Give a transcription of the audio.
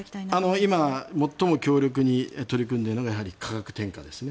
今、最も強力に取り組んでいるのが価格転嫁ですね。